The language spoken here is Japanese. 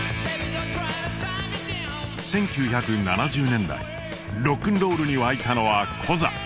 １９７０年代ロックンロールに沸いたのはコザ！